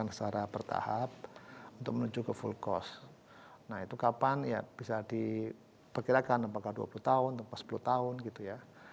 nah itu kapan ya bisa diperkirakan apakah dua puluh tahun atau sepuluh tahun gitu ya